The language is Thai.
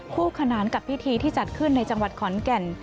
คู่ขนานกับพิธีที่จัดขึ้นในจังหวัดขอนแก่น